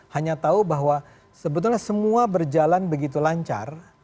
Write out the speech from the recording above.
hanya tahu bahwa sebetulnya semua berjalan begitu lancar